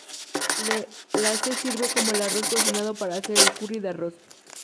La se sirve sobre el arroz cocinado para hacer el "curry" de arroz.